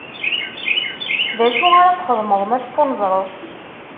D acu ara txedmeḍ ma teffunezreḍ?